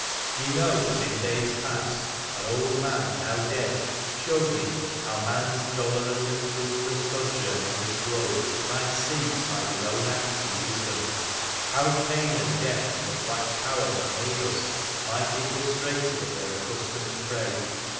Ye know that in days past an old man now dead showed me how marfs dolorous and fruitless sojourn on this globe might cease by his own act and wisdom; how pain and death and the black Power that made us might be frustrated of their accustomed prey.